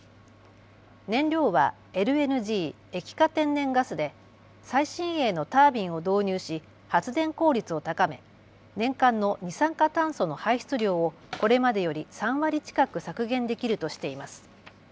燃料はＬＮＧ・液化天然ガスで最新鋭のタービンを導入し発電効率を高め年間の二酸化炭素の排出量をこれまでより３割近く削減できるとしています。